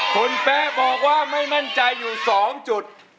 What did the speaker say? คุณแป๊ะบอกว่าไม่มั่นใจอยู่๒จุด